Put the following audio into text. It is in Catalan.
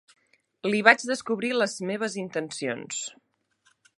Li vaig descobrir les meves intencions.